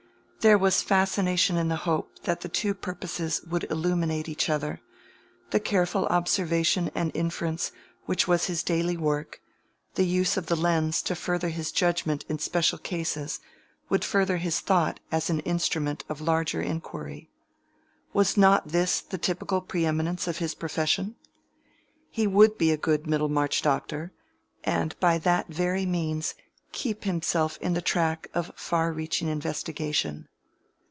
There was fascination in the hope that the two purposes would illuminate each other: the careful observation and inference which was his daily work, the use of the lens to further his judgment in special cases, would further his thought as an instrument of larger inquiry. Was not this the typical pre eminence of his profession? He would be a good Middlemarch doctor, and by that very means keep himself in the track of far reaching investigation.